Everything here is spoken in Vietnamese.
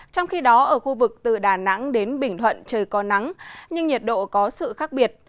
trong khi đó ở khu vực từ đà nẵng đến bình thuận trời có nắng nhưng nhiệt độ có sự khác biệt